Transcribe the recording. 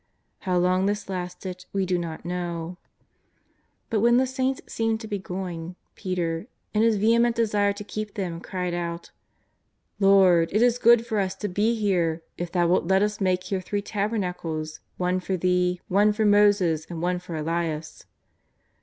How long this lasted we do not know, but when 262 JESUS OF NAZAEETH. the Saints seemed to be going Peter, in his vehemeni desire to keep them, cried out :'* Lord, it is good for us to be here, if Thou wilt let us make here three tabernacles, one for Thee, one for Moses, and one for Elias